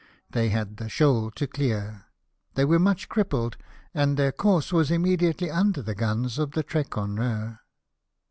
They had the shoal to clear, they were much crippled, and their course was immediately under the guns of the Trekroner.